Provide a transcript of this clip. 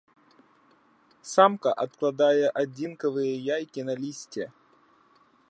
Самка адкладае адзінкавыя яйкі на лісце.